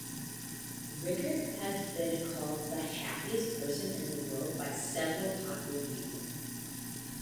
Ricard has been called the "happiest person in the world" by several popular media.